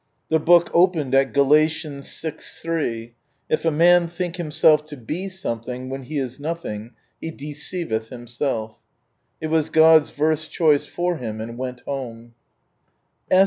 The book opened at Galalians vi. 3, '^ If a man think himself to be something when he is nothing he deceiveth himself." It was God's verse choice for him and went home.